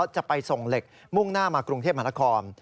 จะไปส่งเหล็กมุ่งหน้ามากรุงเทพมหานคร